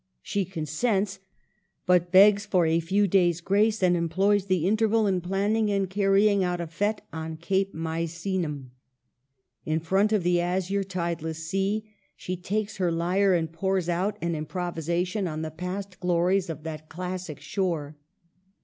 She consents ; but begs for a few days' grace, and employs the interval in planning and carrying out a fete on Cape Misenum. In front of the azure, tideless sea she takes her lyre and pours out an improvisation on the past glories of that classic shore.